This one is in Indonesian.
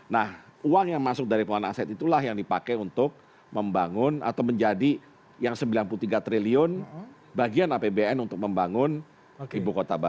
nah uang yang masuk dari pengelolaan aset itulah yang dipakai untuk membangun atau menjadi yang sembilan puluh tiga triliun bagian apbn untuk membangun ibu kota baru